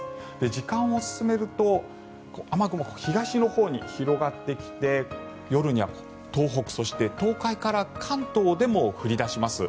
時間を進めると雨雲が東のほうに広がってきて夜には東北、そして東海から関東でも降り出します。